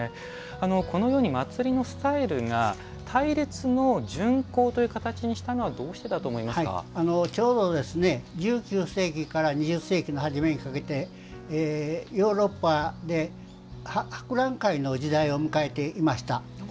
このように祭りのスタイルが隊列の巡行というものにしたのはちょうど１９世紀から２０世紀の初めにされてヨーロッパで博覧会の時代を迎えていました。